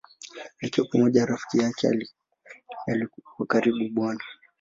Akiwa pamoja na rafiki yake wa karibu Bw.